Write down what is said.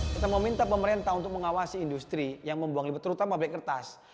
kita meminta pemerintah untuk mengawasi industri yang membuang limbah terutama beli kertas